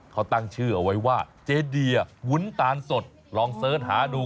เขาตั้งชื่อเอาไว้ว่าเจเดียวุ้นตาลสดลองเสิร์ชหาดู